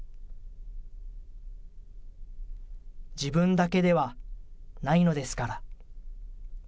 自分だけではないのですから。